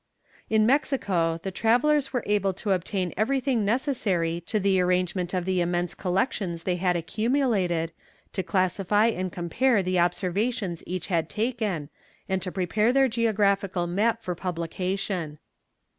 In Mexico the travellers were able to obtain everything necessary to the arrangement of the immense collections they had accumulated, to classify and compare the observations each had taken, and to prepare their geographical map for publication.